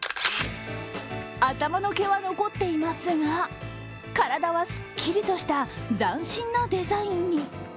頭の毛は残っていますが体はスッキリとした、斬新なデザインに。